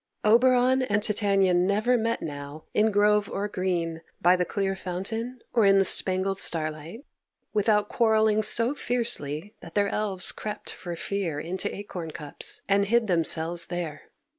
Oberon and Titania never met now, in grove or green, by the clear fountain, or in the spangled starlight, without quarrelling so fiercely that their elves crept for fear into acorn cups, and hid themselves there.